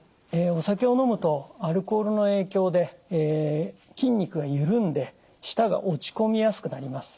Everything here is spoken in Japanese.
お酒を飲むとアルコールの影響で筋肉がゆるんで舌が落ち込みやすくなります。